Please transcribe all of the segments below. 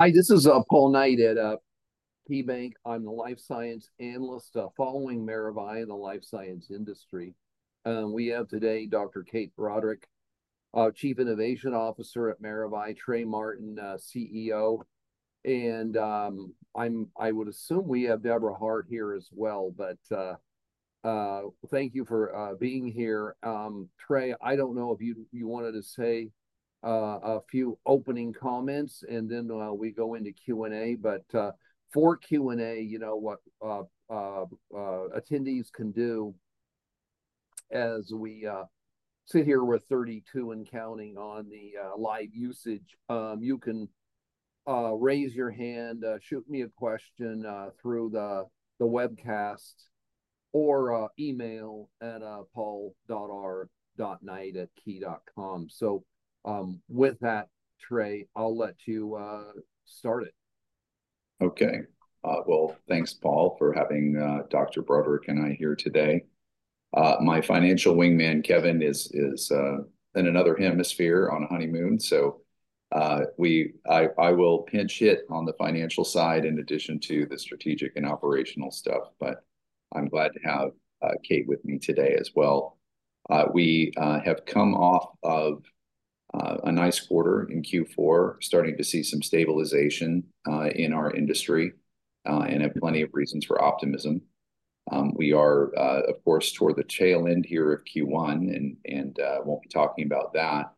Hi, this is Paul Knight at KeyBanc. I'm the Life Sciences analyst following Maravai in the Life Sciences industry. We have today Dr. Kate Broderick, Chief Innovation Officer at Maravai, Trey Martin, CEO. And I would assume we have Debra Hart here as well, but thank you for being here. Trey, I don't know if you wanted to say a few opening comments, and then we go into Q&A. But for Q&A, you know what attendees can do as we sit here with 32 and counting on the live usage, you can raise your hand, shoot me a question through the webcast, or email at paul.r.knight@key.com. So with that, Trey, I'll let you start it. Okay. Well, thanks, Paul, for having Dr. Broderick and I here today. My financial wingman, Kevin, is in another hemisphere on a honeymoon, so I will pinch hit on the financial side in addition to the strategic and operational stuff. But I'm glad to have Kate with me today as well. We have come off of a nice quarter in Q4, starting to see some stabilization in our industry and have plenty of reasons for optimism. We are, of course, toward the tail end here of Q1 and won't be talking about that,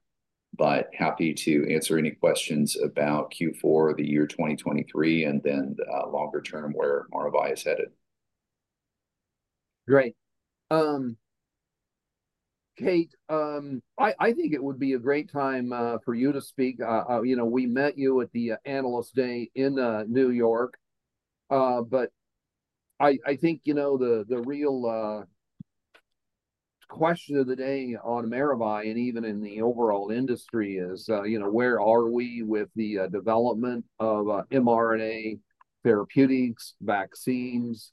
but happy to answer any questions about Q4, the year 2023, and then the longer term where Maravai is headed. Great. Kate, I think it would be a great time for you to speak. We met you at the Analyst Day in New York, but I think the real question of the day on Maravai and even in the overall industry is where are we with the development of mRNA therapeutics, vaccines?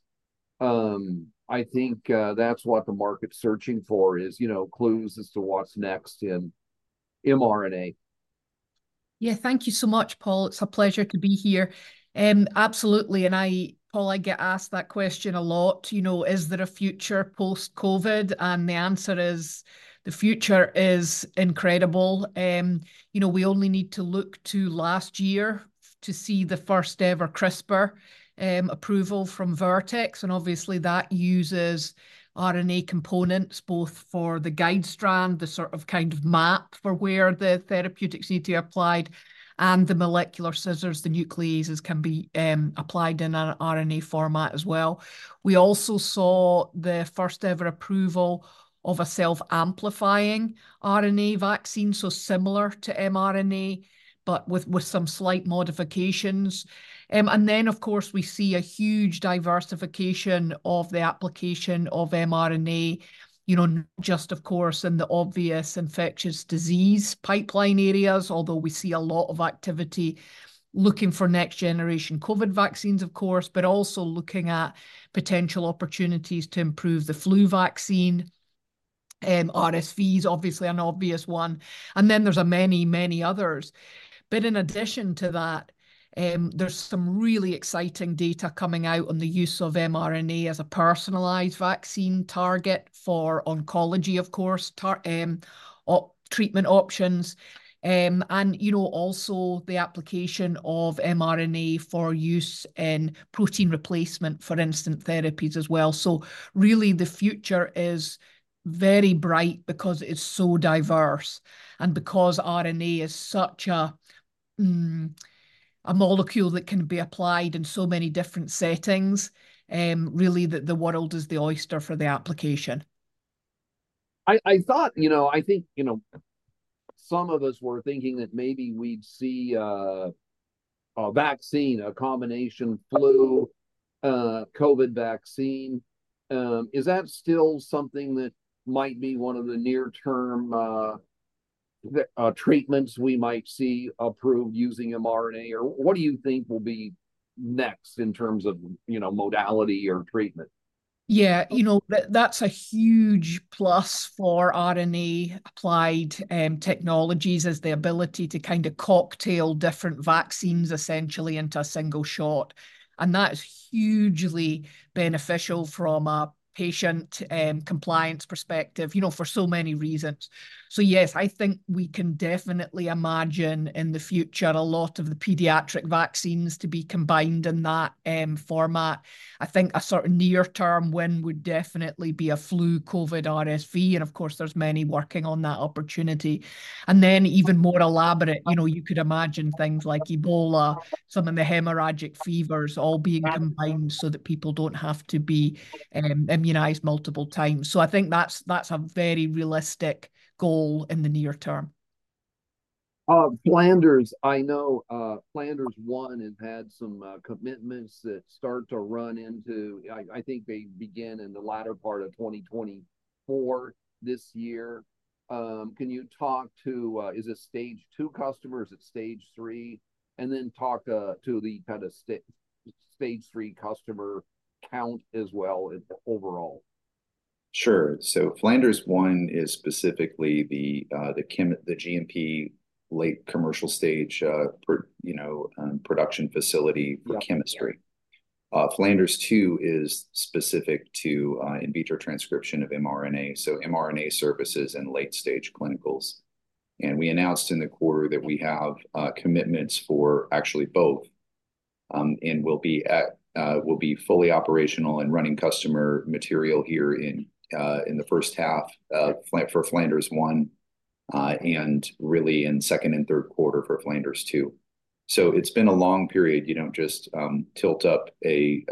I think that's what the market's searching for, is clues as to what's next in mRNA. Yeah, thank you so much, Paul. It's a pleasure to be here. Absolutely. And Paul, I get asked that question a lot. Is there a future post-COVID? And the answer is the future is incredible. We only need to look to last year to see the first-ever CRISPR approval from Vertex. And obviously, that uses RNA components both for the guide strand, the sort of kind of map for where the therapeutics need to be applied, and the molecular scissors, the nucleases can be applied in an RNA format as well. We also saw the first-ever approval of a self-amplifying RNA vaccine, so similar to mRNA, but with some slight modifications. And then, of course, we see a huge diversification of the application of mRNA, not just, of course, in the obvious infectious disease pipeline areas, although we see a lot of activity looking for next-generation COVID vaccines, of course, but also looking at potential opportunities to improve the flu vaccine. RSV is obviously an obvious one. And then there's many, many others. But in addition to that, there's some really exciting data coming out on the use of mRNA as a personalized vaccine target for oncology, of course, treatment options, and also the application of mRNA for use in protein replacement, for instance, therapies as well. So really, the future is very bright because it is so diverse and because RNA is such a molecule that can be applied in so many different settings, really, that the world is the oyster for the application. I thought, I think, some of us were thinking that maybe we'd see a vaccine, a combination flu/COVID vaccine. Is that still something that might be one of the near-term treatments we might see approved using mRNA? Or what do you think will be next in terms of modality or treatment? Yeah, that's a huge plus for RNA-applied technologies as the ability to kind of cocktail different vaccines, essentially, into a single shot. And that's hugely beneficial from a patient compliance perspective for so many reasons. So yes, I think we can definitely imagine in the future a lot of the pediatric vaccines to be combined in that format. I think a sort of near-term win would definitely be a flu/COVID/RSV. And of course, there's many working on that opportunity. And then even more elaborate, you could imagine things like Ebola, some of the hemorrhagic fevers all being combined so that people don't have to be immunized multiple times. So I think that's a very realistic goal in the near term. Flanders, I know Flanders 1 had some commitments that start to run into, I think they began in the latter part of 2024 this year. Can you talk to is it stage two customer? Is it stage three? And then talk to the kind of stage three customer count as well overall. Sure. So Flanders 1 is specifically the GMP late commercial stage production facility for chemistry. Flanders 2 is specific to in vitro transcription of mRNA, so mRNA services and late-stage clinicals. And we announced in the quarter that we have commitments for actually both and will be fully operational and running customer material here in the first half for Flanders 1 and really in second and third quarter for Flanders 2. So it's been a long period. You don't just tilt up a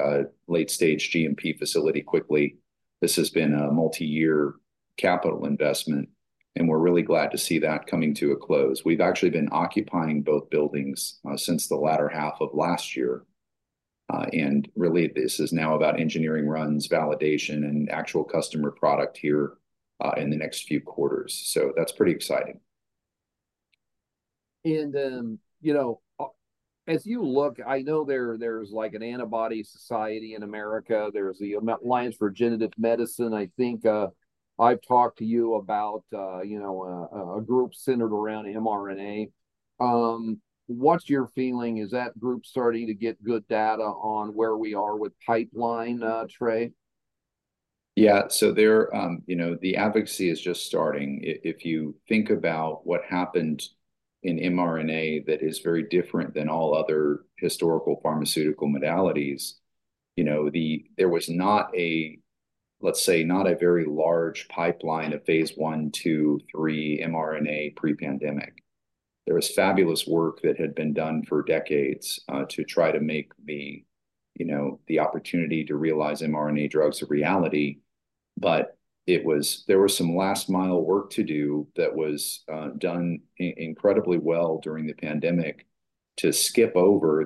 late-stage GMP facility quickly. This has been a multi-year capital investment, and we're really glad to see that coming to a close. We've actually been occupying both buildings since the latter half of last year. And really, this is now about engineering runs, validation, and actual customer product here in the next few quarters. So that's pretty exciting. As you look, I know there's The Antibody Society in America. There's the Alliance for Regenerative Medicine. I think I've talked to you about a group centered around mRNA. What's your feeling? Is that group starting to get good data on where we are with pipeline, Trey? Yeah. So the advocacy is just starting. If you think about what happened in mRNA that is very different than all other historical pharmaceutical modalities, there was not a, let's say, not a very large pipeline of phase one, two, three mRNA pre-pandemic. There was fabulous work that had been done for decades to try to make the opportunity to realize mRNA drugs a reality. But there was some last-mile work to do that was done incredibly well during the pandemic to skip over,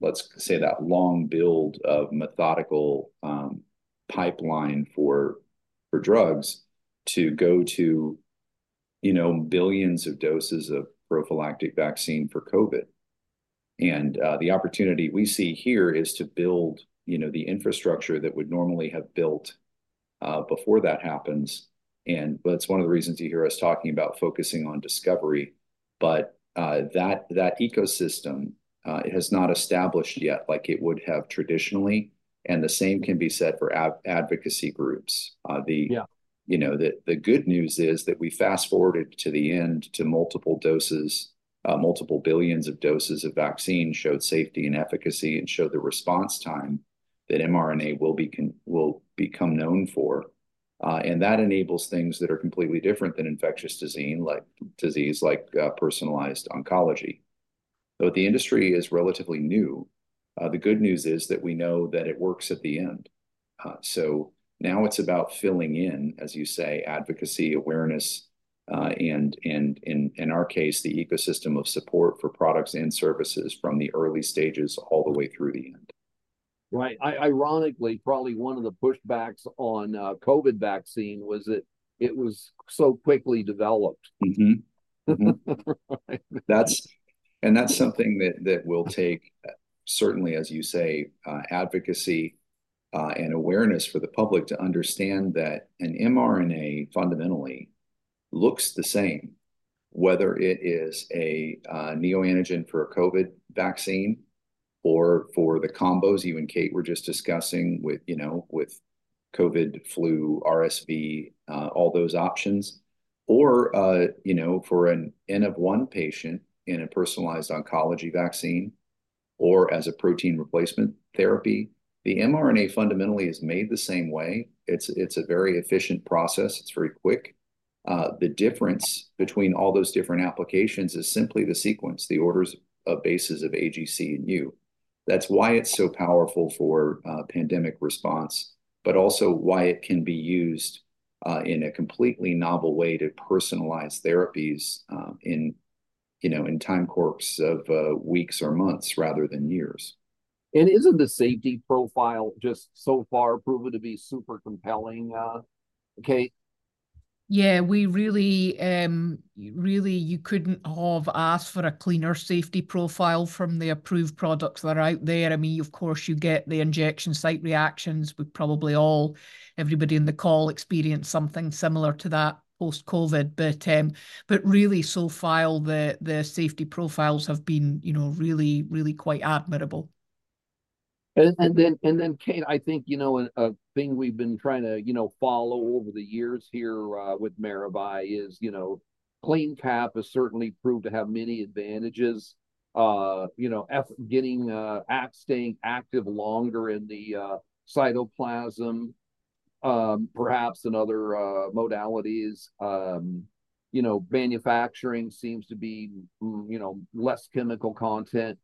let's say, that long build of methodical pipeline for drugs to go to billions of doses of prophylactic vaccine for COVID. And the opportunity we see here is to build the infrastructure that would normally have built before that happens. And that's one of the reasons you hear us talking about focusing on discovery. But that ecosystem, it has not established yet like it would have traditionally. And the same can be said for advocacy groups. The good news is that we fast-forwarded to the end to multiple billions of doses of vaccine showed safety and efficacy and showed the response time that mRNA will become known for. And that enables things that are completely different than infectious disease, like personalized oncology. Though the industry is relatively new, the good news is that we know that it works at the end. So now it's about filling in, as you say, advocacy, awareness, and in our case, the ecosystem of support for products and services from the early stages all the way through the end. Right. Ironically, probably one of the pushbacks on COVID vaccine was that it was so quickly developed. And that's something that will take, certainly, as you say, advocacy and awareness for the public to understand that an mRNA fundamentally looks the same, whether it is a neoantigen for a COVID vaccine or for the combos you and Kate were just discussing with COVID, flu, RSV, all those options, or for an NF1 patient in a personalized oncology vaccine or as a protein replacement therapy. The mRNA fundamentally is made the same way. It's a very efficient process. It's very quick. The difference between all those different applications is simply the sequence, the order of bases A, G, C, and U. That's why it's so powerful for pandemic response, but also why it can be used in a completely novel way to personalize therapies in timescales of weeks or months rather than years. Isn't the safety profile just so far proven to be super compelling, Kate? Yeah, really, you couldn't have asked for a cleaner safety profile from the approved products that are out there. I mean, of course, you get the injection site reactions. We've probably all, everybody in the call, experienced something similar to that post-COVID. But really, so far, the safety profiles have been really, really quite admirable. And then, Kate, I think a thing we've been trying to follow over the years here with Maravai is CleanCap has certainly proved to have many advantages. Getting mRNA active longer in the cytoplasm, perhaps in other modalities. Manufacturing seems to be less chemical content.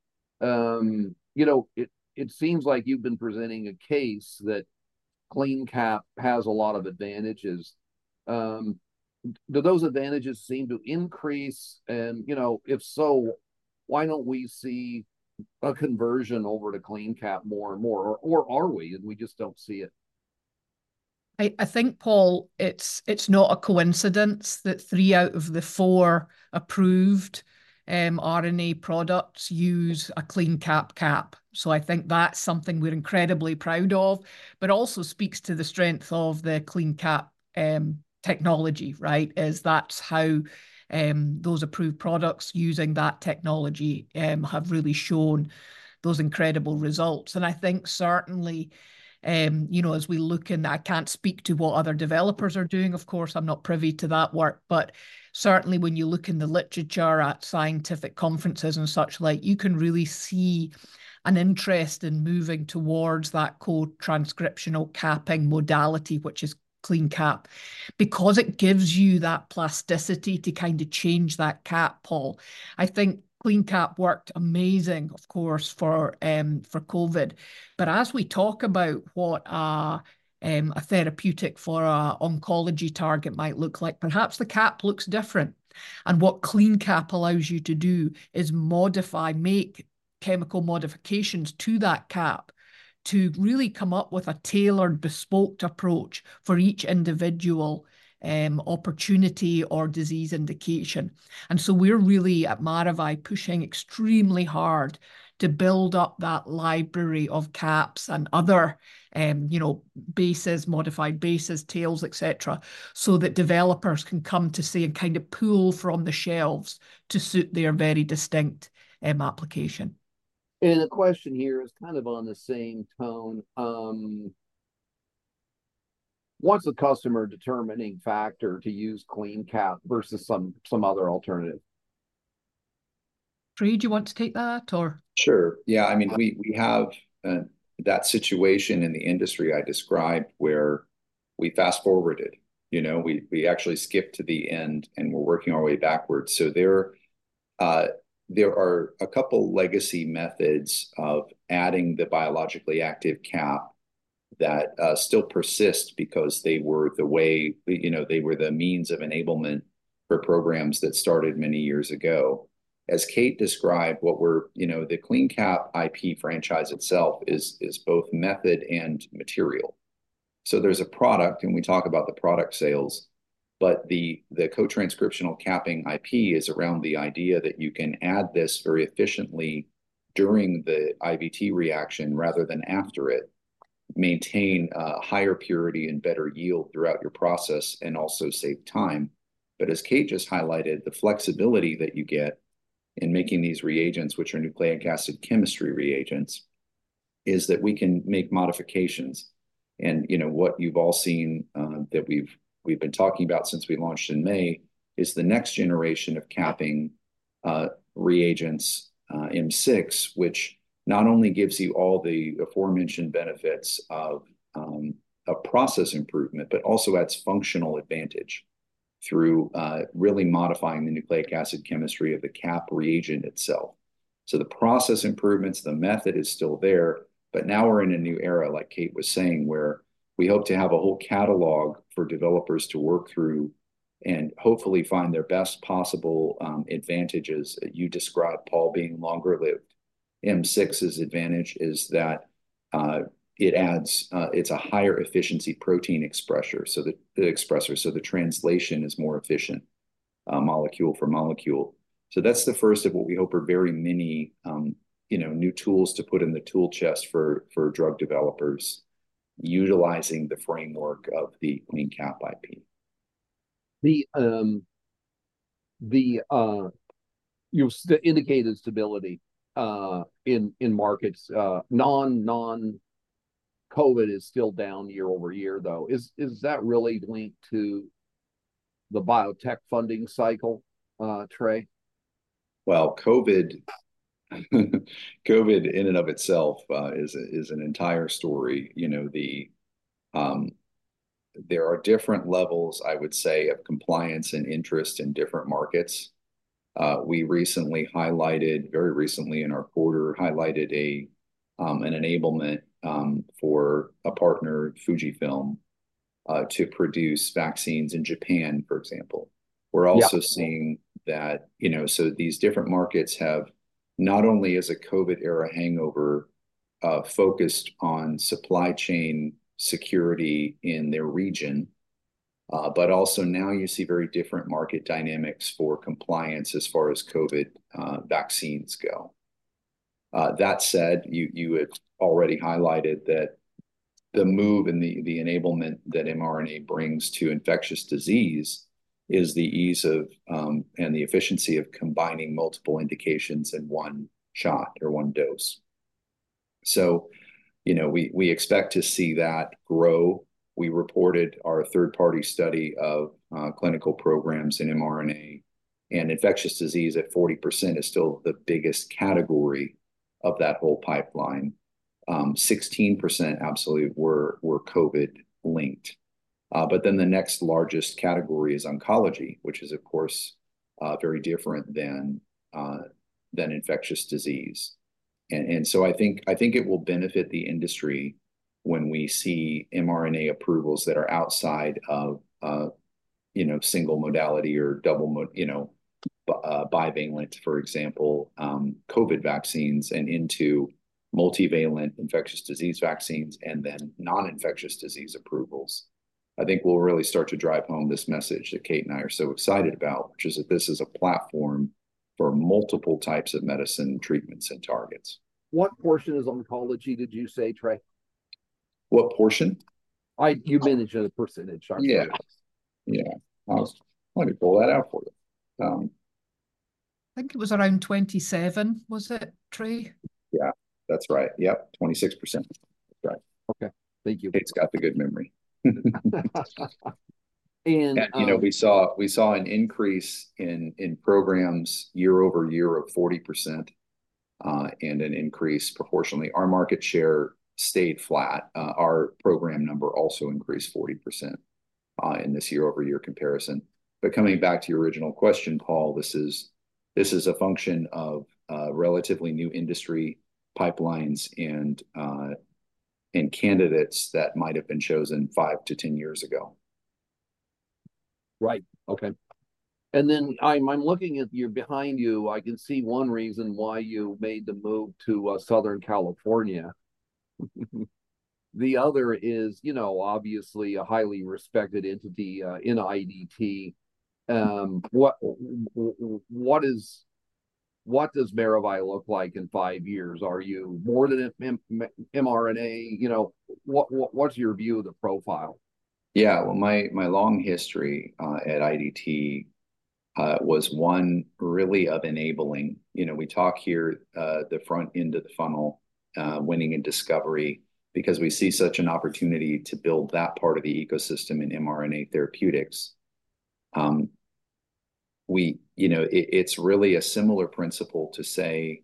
It seems like you've been presenting a case that CleanCap has a lot of advantages. Do those advantages seem to increase? And if so, why don't we see a conversion over to CleanCap more and more? Or are we, and we just don't see it? I think, Paul, it's not a coincidence that three out of the four approved RNA products use a CleanCap. So I think that's something we're incredibly proud of, but also speaks to the strength of the CleanCap technology, right, is that's how those approved products using that technology have really shown those incredible results. And I think certainly, as we look in that, I can't speak to what other developers are doing. Of course, I'm not privy to that work. But certainly, when you look in the literature at scientific conferences and such like, you can really see an interest in moving towards that co-transcriptional capping modality, which is CleanCap, because it gives you that plasticity to kind of change that cap, Paul. I think CleanCap worked amazing, of course, for COVID. But as we talk about what a therapeutic for an oncology target might look like, perhaps the cap looks different. And what CleanCap allows you to do is make chemical modifications to that cap to really come up with a tailored, bespoke approach for each individual opportunity or disease indication. And so we're really at Maravai pushing extremely hard to build up that library of caps and other bases, modified bases, tails, etc., so that developers can come to see and kind of pool from the shelves to suit their very distinct application. The question here is kind of in the same vein. What's the customer-determining factor to use CleanCap versus some other alternative? Trey, do you want to take that, or? Sure. Yeah. I mean, we have that situation in the industry I described where we fast-forwarded. We actually skipped to the end, and we're working our way backwards. So there are a couple legacy methods of adding the biologically active cap that still persist because they were the way they were the means of enablement for programs that started many years ago. As Kate described, the CleanCap IP franchise itself is both method and material. So there's a product, and we talk about the product sales. But the co-transcriptional capping IP is around the idea that you can add this very efficiently during the IVT reaction rather than after it, maintain higher purity and better yield throughout your process, and also save time. But as Kate just highlighted, the flexibility that you get in making these reagents, which are nucleic acid chemistry reagents, is that we can make modifications. And what you've all seen that we've been talking about since we launched in May is the next generation of capping reagents M6, which not only gives you all the aforementioned benefits of a process improvement, but also adds functional advantage through really modifying the nucleic acid chemistry of the cap reagent itself. So the process improvements, the method is still there, but now we're in a new era, like Kate was saying, where we hope to have a whole catalog for developers to work through and hopefully find their best possible advantages. You described, Paul, being longer-lived. M6's advantage is that it adds. It's a higher efficiency protein expressor, so the translation is more efficient molecule for molecule. So that's the first of what we hope are very many new tools to put in the tool chest for drug developers utilizing the framework of the CleanCap IP. The indicated stability in markets, non-COVID is still down year-over-year, though. Is that really linked to the biotech funding cycle, Trey? Well, COVID in and of itself is an entire story. There are different levels, I would say, of compliance and interest in different markets. We recently highlighted, very recently in our quarter, highlighted an enablement for a partner, Fujifilm, to produce vaccines in Japan, for example. We're also seeing that so these different markets have not only as a COVID-era hangover focused on supply chain security in their region, but also now you see very different market dynamics for compliance as far as COVID vaccines go. That said, you had already highlighted that the move and the enablement that mRNA brings to infectious disease is the ease and the efficiency of combining multiple indications in one shot or one dose. So we expect to see that grow. We reported our third-party study of clinical programs in mRNA, and infectious disease at 40% is still the biggest category of that whole pipeline. 16% absolutely were COVID-linked. But then the next largest category is oncology, which is, of course, very different than infectious disease. And so I think it will benefit the industry when we see mRNA approvals that are outside of single modality or double bivalent, for example, COVID vaccines and into multivalent infectious disease vaccines and then non-infectious disease approvals. I think we'll really start to drive home this message that Kate and I are so excited about, which is that this is a platform for multiple types of medicine treatments and targets. What portion is oncology, did you say, Trey? What portion? You mentioned a percentage. Yeah. Yeah. Let me pull that out for you. I think it was around 27%, was it, Trey? Yeah, that's right. Yep, 26%. That's right. Okay. Thank you. Kate's got the good memory. We saw an increase in programs year-over-year of 40% and an increase proportionally. Our market share stayed flat. Our program number also increased 40% in this year-over-year comparison. Coming back to your original question, Paul, this is a function of relatively new industry pipelines and candidates that might have been chosen five to 10 years ago. Right. Okay. And then I'm looking at you behind you. I can see one reason why you made the move to Southern California. The other is obviously a highly respected entity in IDT. What does Maravai look like in five years? Are you more than mRNA? What's your view of the profile? Yeah. Well, my long history at IDT was one, really, of enabling. We talk here the front end of the funnel, winning in discovery because we see such an opportunity to build that part of the ecosystem in mRNA therapeutics. It's really a similar principle to say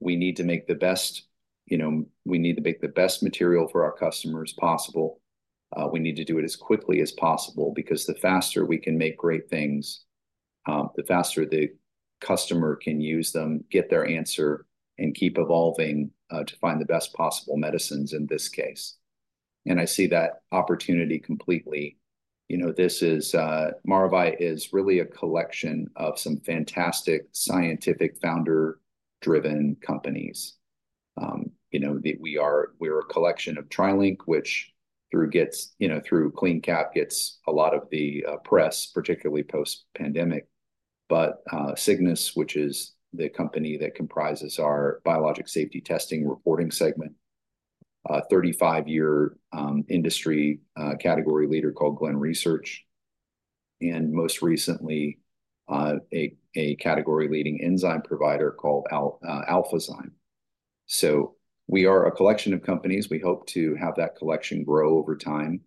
we need to make the best we need to make the best material for our customers possible. We need to do it as quickly as possible because the faster we can make great things, the faster the customer can use them, get their answer, and keep evolving to find the best possible medicines in this case. And I see that opportunity completely. Maravai is really a collection of some fantastic scientific founder-driven companies. We are a collection of TriLink, which through CleanCap gets a lot of the press, particularly post-pandemic, but Cygnus, which is the company that comprises our Biologics Safety Testing reporting segment, 35-year industry category leader called Glen Research, and most recently, a category-leading enzyme provider called Alphazyme. So we are a collection of companies. We hope to have that collection grow over time.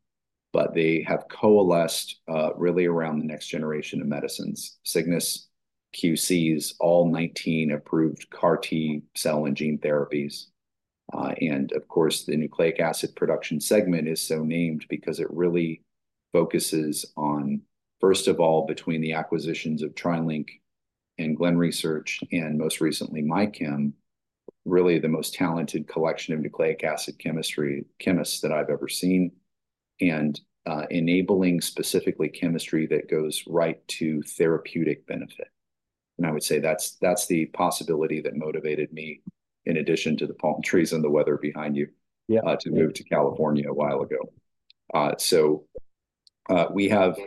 But they have coalesced really around the next generation of medicines. Cygnus QCs all 19 approved CAR-T cell and gene therapies. And of course, the Nucleic Acid Production segment is so named because it really focuses on, first of all, between the acquisitions of TriLink and Glen Research and most recently, MyChem, really the most talented collection of nucleic acid chemists that I've ever seen, and enabling specifically chemistry that goes right to therapeutic benefit. I would say that's the possibility that motivated me, in addition to the palm trees and the weather behind you, to move to California a while ago.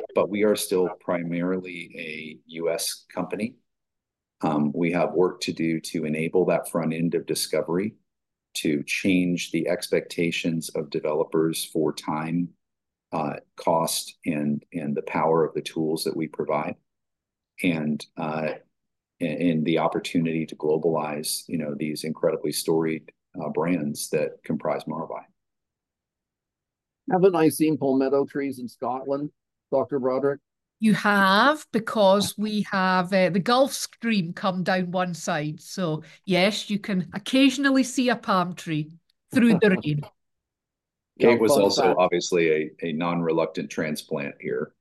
But we are still primarily a U.S. company. We have work to do to enable that front end of discovery, to change the expectations of developers for time, cost, and the power of the tools that we provide, and the opportunity to globalize these incredibly storied brands that comprise Maravai. Has anyone seen palmetto trees in Scotland, Dr. Broderick? You have because the Gulf Stream come down one side. So yes, you can occasionally see a palm tree through Durban. Kate was also obviously a non-reluctant transplant here.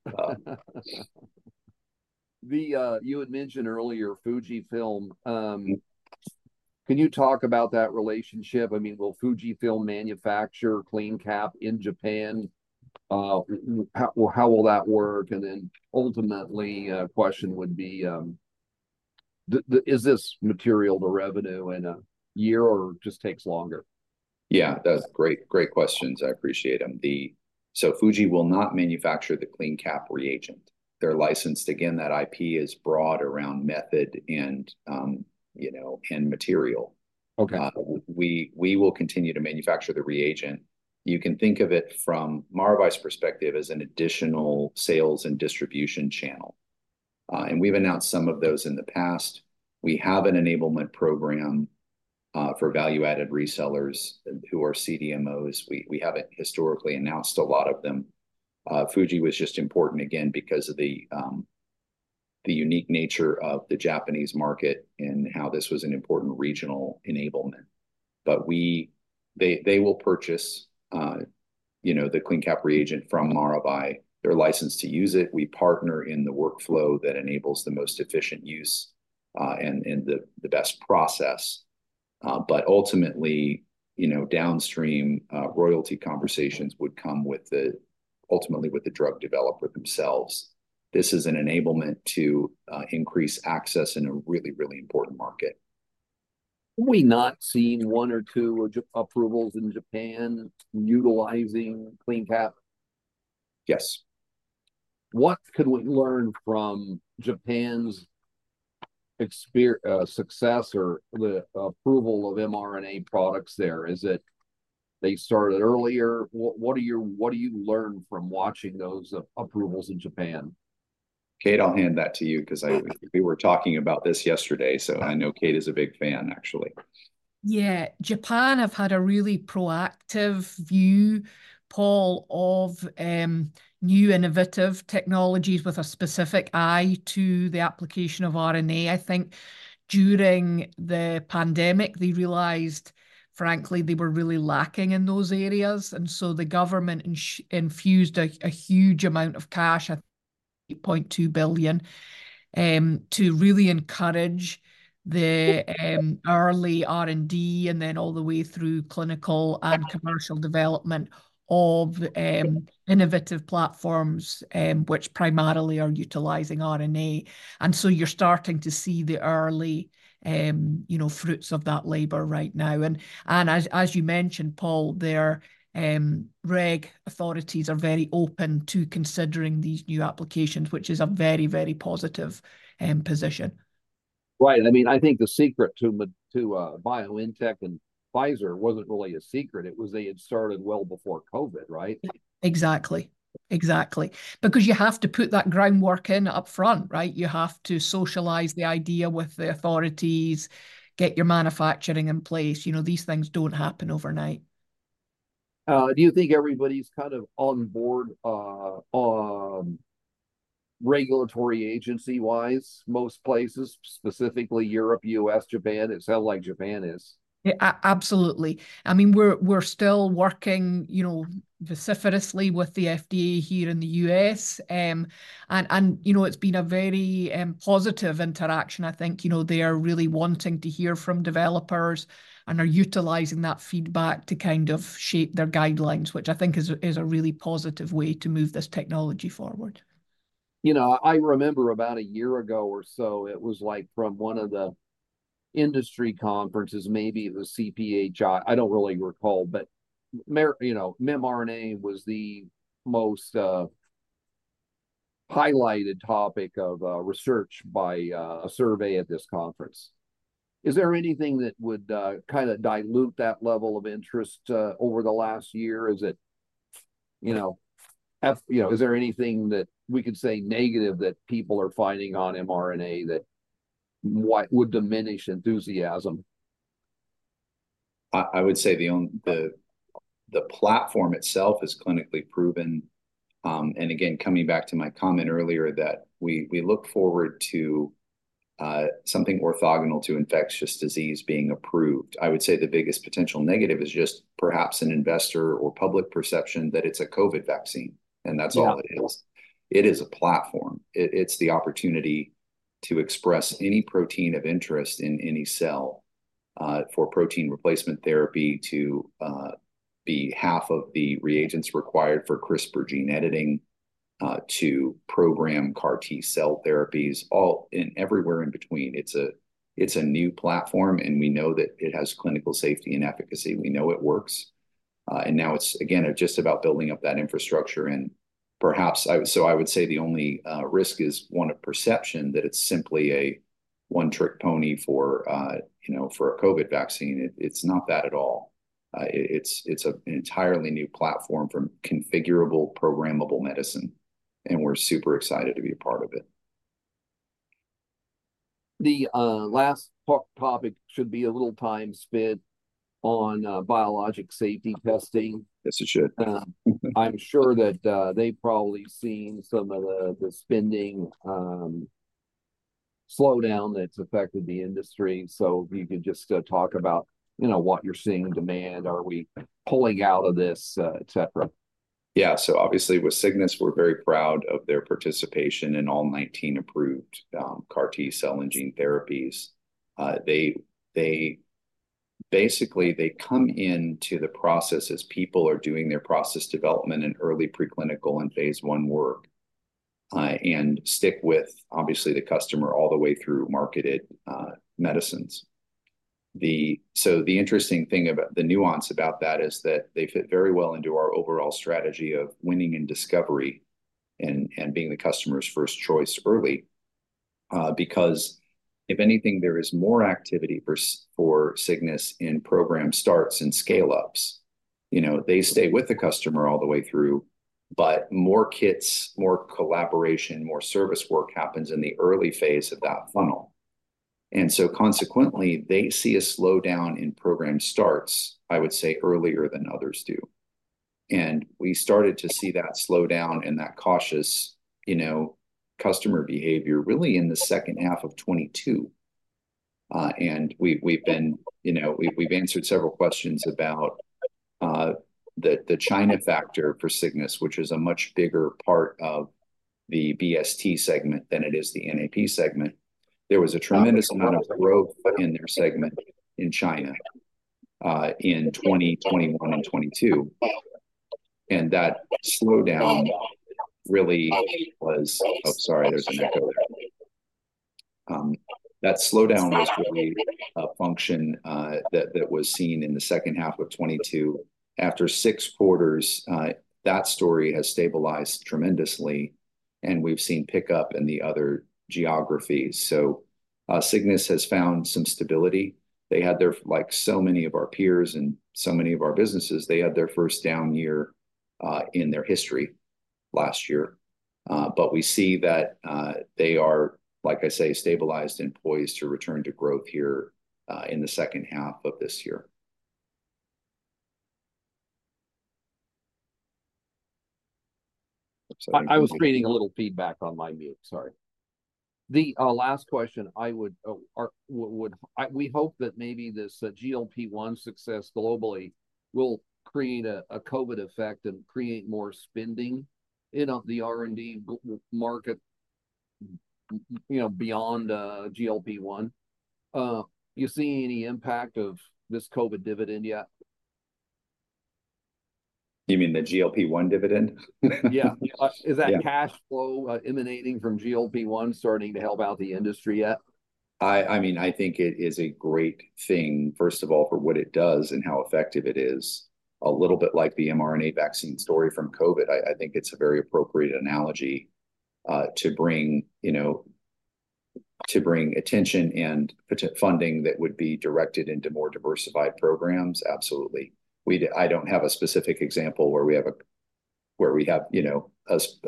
You had mentioned earlier Fujifilm. Can you talk about that relationship? I mean, will Fujifilm manufacture CleanCap in Japan? How will that work? And then ultimately, a question would be, is this material to revenue in a year or just takes longer? Yeah, those are great questions. I appreciate them. So Fuji will not manufacture the CleanCap reagent. They're licensed. Again, that IP is broad around method and material. We will continue to manufacture the reagent. You can think of it from Maravai's perspective as an additional sales and distribution channel. And we've announced some of those in the past. We have an enablement program for value-added resellers who are CDMOs. We haven't historically announced a lot of them. Fuji was just important, again, because of the unique nature of the Japanese market and how this was an important regional enablement. But they will purchase the CleanCap reagent from Maravai. They're licensed to use it. We partner in the workflow that enables the most efficient use and the best process. But ultimately, downstream, royalty conversations would come ultimately with the drug developer themselves. This is an enablement to increase access in a really, really important market. Have we not seen one or two approvals in Japan utilizing CleanCap? Yes. What could we learn from Japan's success or the approval of mRNA products there? Is it they started earlier? What do you learn from watching those approvals in Japan? Kate, I'll hand that to you because we were talking about this yesterday. So I know Kate is a big fan, actually. Yeah. Japan have had a really proactive view, Paul, of new innovative technologies with a specific eye to the application of RNA. I think during the pandemic, they realized, frankly, they were really lacking in those areas. And so the government infused a huge amount of cash, I think 8.2 billion, to really encourage the early R&D and then all the way through clinical and commercial development of innovative platforms, which primarily are utilizing RNA. And so you're starting to see the early fruits of that labor right now. And as you mentioned, Paul, there, reg authorities are very open to considering these new applications, which is a very, very positive position. Right. I mean, I think the secret to BioNTech and Pfizer wasn't really a secret. It was they had started well before COVID, right? Exactly. Exactly. Because you have to put that groundwork in upfront, right? You have to socialize the idea with the authorities, get your manufacturing in place. These things don't happen overnight. Do you think everybody's kind of on board regulatory agency-wise most places, specifically Europe, U.S., Japan? It sounded like Japan is. Absolutely. I mean, we're still working vociferously with the FDA here in the U.S. It's been a very positive interaction. I think they are really wanting to hear from developers and are utilizing that feedback to kind of shape their guidelines, which I think is a really positive way to move this technology forward. I remember about a year ago or so, it was like from one of the industry conferences, maybe it was CPHI. I don't really recall. But mRNA was the most highlighted topic of research by a survey at this conference. Is there anything that would kind of dilute that level of interest over the last year? Is there anything that we could say negative that people are finding on mRNA that would diminish enthusiasm? I would say the platform itself is clinically proven. And again, coming back to my comment earlier that we look forward to something orthogonal to infectious disease being approved. I would say the biggest potential negative is just perhaps an investor or public perception that it's a COVID vaccine, and that's all it is. It is a platform. It's the opportunity to express any protein of interest in any cell for protein replacement therapy, to be half of the reagents required for CRISPR gene editing, to program CAR-T cell therapies, and everywhere in between. It's a new platform, and we know that it has clinical safety and efficacy. We know it works. And now it's, again, just about building up that infrastructure. And so I would say the only risk is one of perception that it's simply a one-trick pony for a COVID vaccine. It's not that at all. It's an entirely new platform from configurable, programmable medicine. We're super excited to be a part of it. The last topic should be a little time spent on Biologics Safety Testing. Yes, it should. I'm sure that they've probably seen some of the spending slowdown that's affected the industry. So if you could just talk about what you're seeing in demand, are we pulling out of this, etc.? Yeah. So obviously, with Cygnus, we're very proud of their participation in all 19 approved CAR-T cell and gene therapies. Basically, they come into the process as people are doing their process development and early preclinical and phase one work and stick with, obviously, the customer all the way through marketed medicines. So the interesting thing about the nuance about that is that they fit very well into our overall strategy of winning in discovery and being the customer's first choice early because if anything, there is more activity for Cygnus in program starts and scale-ups. They stay with the customer all the way through, but more kits, more collaboration, more service work happens in the early phase of that funnel. And so consequently, they see a slowdown in program starts, I would say, earlier than others do. And we started to see that slowdown and that cautious customer behavior really in the second half of 2022. And we've answered several questions about the China factor for Cygnus, which is a much bigger part of the BST segment than it is the NAP segment. There was a tremendous amount of growth in their segment in China in 2021 and 2022. And that slowdown really was oh, sorry, there's an echo there. That slowdown was really a function that was seen in the second half of 2022. After six quarters, that story has stabilized tremendously. And we've seen pickup in the other geographies. So Cygnus has found some stability. They had their like so many of our peers and so many of our businesses, they had their first down year in their history last year. We see that they are, like I say, stabilized and poised to return to growth here in the second half of this year. I was creating a little feedback on my mute. Sorry. The last question, I would we hope that maybe this GLP-1 success globally will create a COVID effect and create more spending in the R&D market beyond GLP-1. You see any impact of this COVID dividend yet? You mean the GLP-1 dividend? Yeah. Is that cash flow emanating from GLP-1 starting to help out the industry yet? I mean, I think it is a great thing, first of all, for what it does and how effective it is. A little bit like the mRNA vaccine story from COVID, I think it's a very appropriate analogy to bring attention and funding that would be directed into more diversified programs. Absolutely. I don't have a specific example where we have a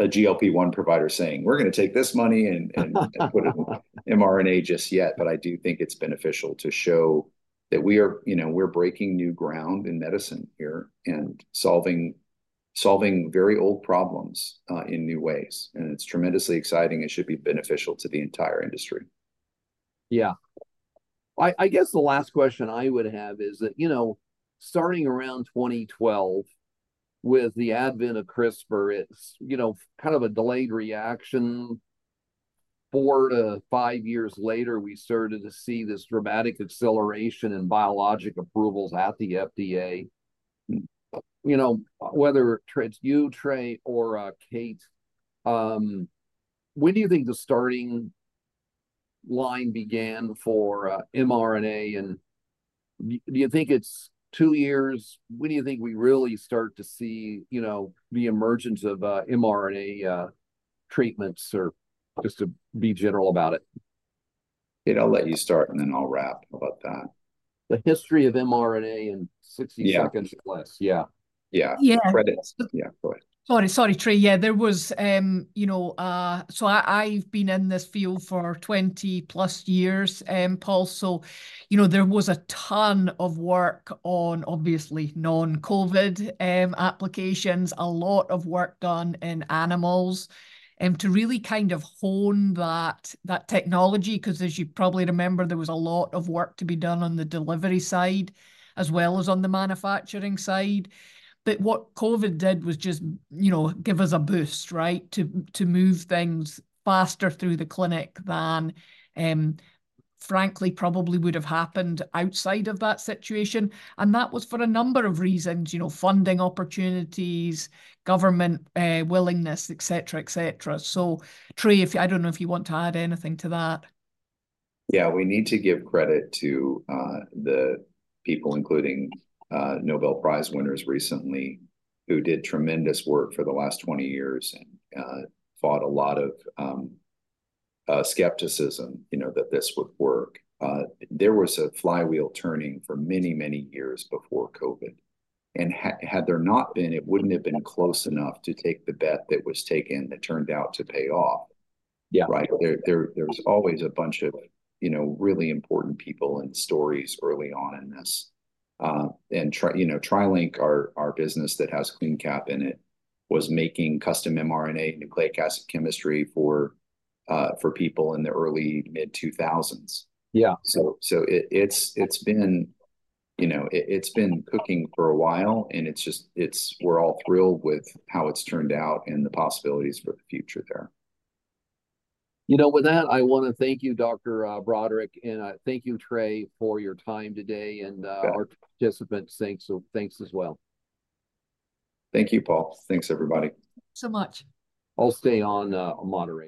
GLP-1 provider saying, "We're going to take this money and put it in mRNA just yet." But I do think it's beneficial to show that we're breaking new ground in medicine here and solving very old problems in new ways. It's tremendously exciting. It should be beneficial to the entire industry. Yeah. I guess the last question I would have is that starting around 2012 with the advent of CRISPR, it's kind of a delayed reaction. Four to five years later, we started to see this dramatic acceleration in biologic approvals at the FDA. Whether it's you, Trey, or Kate, when do you think the starting line began for mRNA? And do you think it's two years? When do you think we really start to see the emergence of mRNA treatments or just to be general about it? Let you start, and then I'll wrap about that. The history of mRNA in 60 seconds or less. Yeah. Yeah. Yeah. Credits. Yeah. Go ahead. Sorry, Trey. Yeah. There was, so I've been in this field for 20+ years, Paul. So there was a ton of work on, obviously, non-COVID applications, a lot of work done in animals to really kind of hone that technology because, as you probably remember, there was a lot of work to be done on the delivery side as well as on the manufacturing side. But what COVID did was just give us a boost, right, to move things faster through the clinic than, frankly, probably would have happened outside of that situation. And that was for a number of reasons, funding opportunities, government willingness, etc., etc. So Trey, I don't know if you want to add anything to that. Yeah. We need to give credit to the people, including Nobel Prize winners recently, who did tremendous work for the last 20 years and fought a lot of skepticism that this would work. There was a flywheel turning for many, many years before COVID. And had there not been, it wouldn't have been close enough to take the bet that was taken that turned out to pay off, right? There's always a bunch of really important people and stories early on in this. And TriLink, our business that has CleanCap in it, was making custom mRNA nucleic acid chemistry for people in the early, mid-2000s. So it's been cooking for a while, and we're all thrilled with how it's turned out and the possibilities for the future there. With that, I want to thank you, Dr. Broderick, and thank you, Trey, for your time today. Our participants, thanks as well. Thank you, Paul. Thanks, everybody. Thanks so much. I'll stay on modern.